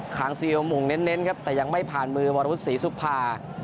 คางซีโอมงเน้นครับแต่ยังไม่ผ่านมือวรวุฒิศรีสุภา